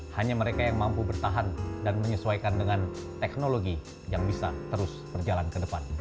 hanya mereka yang mampu bertahan dan menyesuaikan dengan teknologi yang bisa terus berjalan ke depan